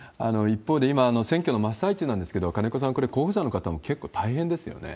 一方で今、選挙の真っ最中なんですけど、金子さん、これ、候補者の方も結構大変ですよね。